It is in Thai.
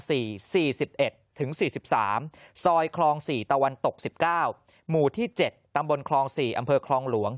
ซอยคลอง๔ตะวันตก๑๙หมู่ที่๗ตำบลคลอง๔อำเภอคลองหลวง